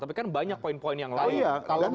tapi kan banyak poin poin yang lain